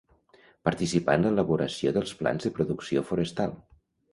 Participar en l'elaboració dels plans de producció forestal.